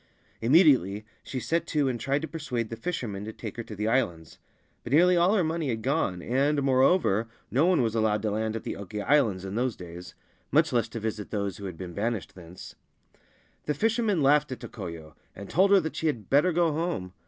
Immediately she set to and tried to persuade the fishermen to take her to the Islands ; but nearly all her money had gone, and, moreover, no one was allowed to land at the Oki Islands in those days — much less to visit those who had been banished thence. The fishermen laughed at Tokoyo, and told her that she had better go home.